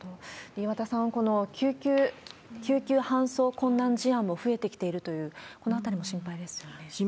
岩田さん、この救急搬送困難事案も増えてきているという、心配ですね。